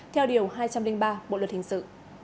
qua bộ luật hình sự